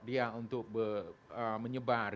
dia untuk menyebar